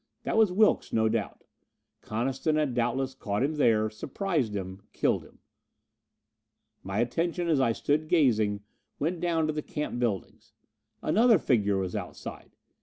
That was Wilks, no doubt. Coniston had doubtless caught him there, surprised him, killed him. My attention, as I stood gazing, went down to the camp buildings. Another figure was outside!